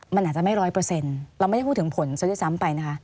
มันอาจจะไม่ร้อยเปอร์เซ็นต์เราไม่ได้พูดถึงผลซะด้วยซ้ำไปนะคะ